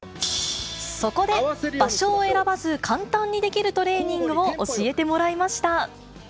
そこで、場所を選ばず、簡単にできるトレーニングを教えてもらいました。